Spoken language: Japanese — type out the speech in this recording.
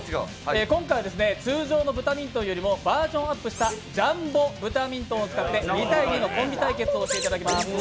今回、通常のブタミントンよりもバージョンアップしたジャンボブタミントンを使って２対２のコンビ対決をしていただきます。